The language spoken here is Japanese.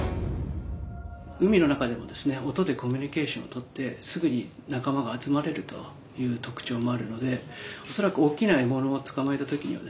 海の中でもですね音でコミュニケーションをとってすぐに仲間が集まれるという特徴もあるので恐らく大きな獲物を捕まえた時にはですね